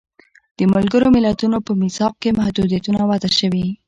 د ملګرو ملتونو په میثاق کې محدودیتونه وضع شوي.